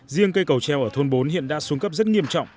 riêng cây cầu treo ở thôn bốn hiện đã xuống cấp rất nghiêm trọng